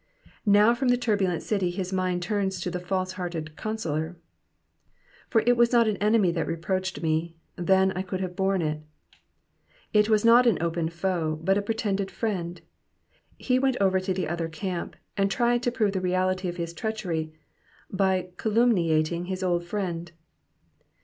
Now from the turbulent city his mind turns to the falsehearted councillor. ^^For it was not an enemy that reproached me; then I could have home it.'*'* Itt^as not an open foe, but a pretended friend ; he went over to the other camp and triea to prove the reality of his treachery by calumniating his old friend.